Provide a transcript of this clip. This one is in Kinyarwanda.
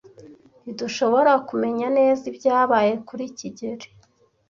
Ntidushobora kumenya neza ibyabaye kuri kigeli.